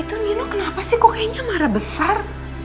itu nino kenapa sih kok kayaknya marah besar